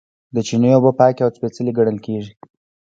د چینې اوبه پاکې او سپیڅلې ګڼل کیږي.